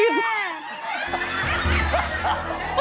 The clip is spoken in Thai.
จะไม่มาหลอกอีกเลย